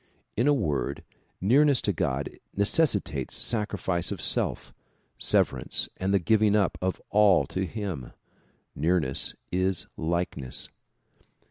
In a word, nearness to God necessitates sacri fice of self, severance and the giving up of all to him. Nearness is likeness.